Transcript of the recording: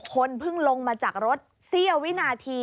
คนเพิ่งลงมาจากรถเสี้ยววินาที